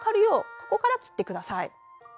ここから切ってください。